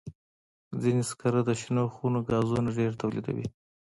ځینې سکاره د شنو خونو ګازونه ډېر تولیدوي.